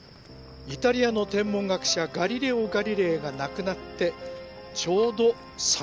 イタリアの天文学者ガリレオ・ガリレイが亡くなってちょうど３００年になるんです。